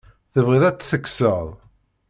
Tebɣiḍ ad t-tekkseḍ?